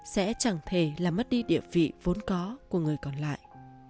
sẽ chẳng thể là mất đi địa vị vốn có của người còn lại